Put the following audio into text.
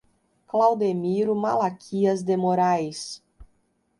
Claudemiro Malaquias de Morais